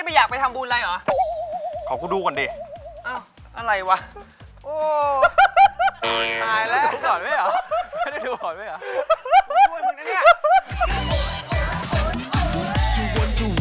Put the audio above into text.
อีกทีก็ไม่มีความรู้สึกว่าข้าจะเป็นใคร